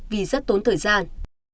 vì rất tốn thời gian